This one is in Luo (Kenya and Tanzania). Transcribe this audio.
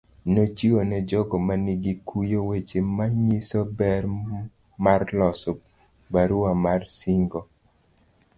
Nochiwo ne jogo ma nigi kuyo weche manyiso ber mar loso barua mar singo.